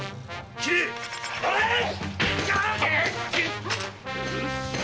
斬れっ！